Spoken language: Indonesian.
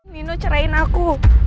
nino cerain aku